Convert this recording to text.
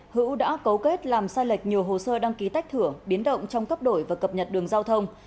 hữu đã cấu kết làm sai lệch nhiều hồ sơ đăng ký tách thửa biến động trong cấp đổi và cập nhật đường giao thông